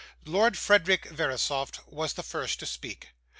Lord Frederick Verisopht was the first to speak.